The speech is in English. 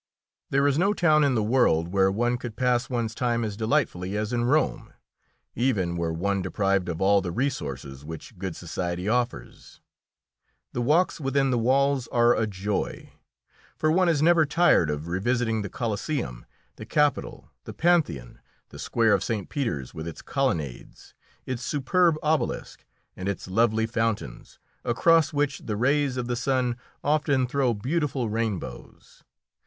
There is no town in the world where one could pass one's time as delightfully as in Rome, even were one deprived of all the resources which good society offers. The walks within the walls are a joy, for one is never tired of revisiting the Coliseum, the Capitol, the Pantheon, the square of St. Peter's with its colonnades, its superb obelisk, and its lovely fountains, across which the rays of the sun often throw beautiful rainbows.